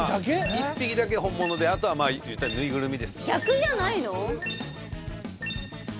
１匹だけ本物であとはまあ言ったらぬいぐるみです逆じゃないの？